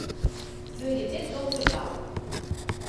Kleurje dit donkerblau.